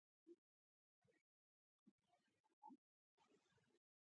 د لیندۍ په شانی غبرگی په گلونو دی پوښلی